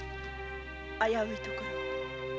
危ういところを。